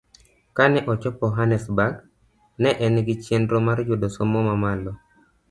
Kane ochopo Hannesburg, ne en gi chenro mar yudo somo mamalo